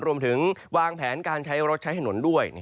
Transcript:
รวมถึงวางแผนการใช้รถใช้ถนนด้วย